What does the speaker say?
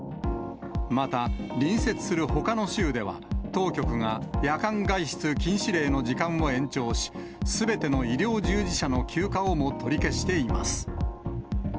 また、隣接するほかの州では、当局が夜間外出禁止令の時間を延長し、すべての医療従事者の休暇をも取り消しています。